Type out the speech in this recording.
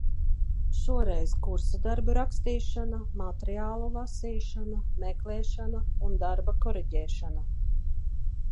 Šoreiz kursa darba rakstīšana, materiālu lasīšana, meklēšana un darba koriģēšana.